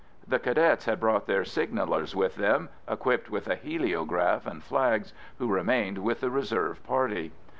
The Cadets had brought their signallers with them, equipped with a heliograph and flags, who remained with the reserve party.